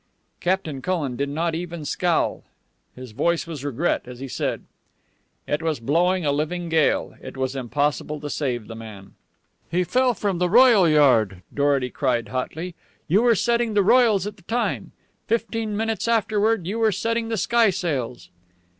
Captain Cullen did not even scowl. In his voice was regret as he said: "It was blowing a living gale. It was impossible to save the man." "He fell from the royal yard," Dorety cried hotly. "You were setting the royals at the time. Fifteen minutes afterward you were setting the skysails."